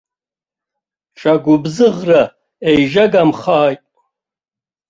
Ҿагәыбзыӷра еижьагамхааит.